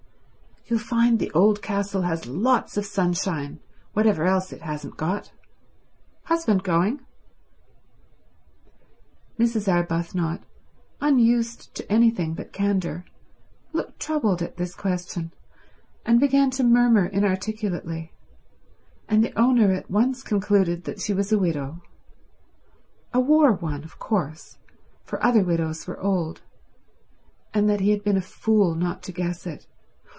You'll find the old castle has lots of sunshine, whatever else it hasn't got. Husband going?" Mrs. Arbuthnot, unused to anything but candour, looked troubled at this question and began to murmur inarticulately, and the owner at once concluded that she was a widow—a war one, of course, for other widows were old—and that he had been a fool not to guess it.